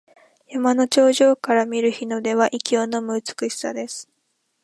山の頂上から見る日の出は息をのむ美しさです。